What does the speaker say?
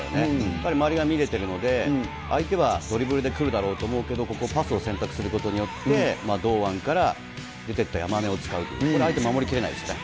やはり周りが見れているので、相手はドリブルで来るだろうと思うけど、ここ、パスを選択することによって、堂安から出てきた山根を使うという、これは相手守りきれないですね。